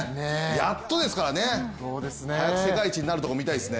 やっとですからね。早く世界一になるところを見たいですね。